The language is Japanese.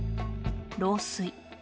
漏水。